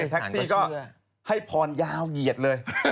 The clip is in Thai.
แท็กซี่ก็ให้พรยาวเหยียดเลย